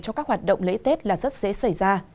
cho các hoạt động lễ tết là rất dễ xảy ra